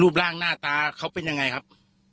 ร่างหน้าตาเขาเป็นยังไงครับ